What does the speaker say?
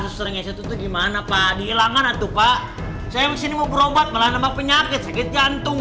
sesering itu gimana pak dihilangkan atuh pak saya sini mau berobat malah nama penyakit sakit jantung